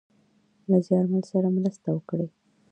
له زیارمل سره مرسته وکړﺉ .